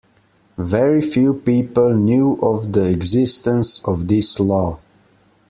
Very few people knew of the existence of this law.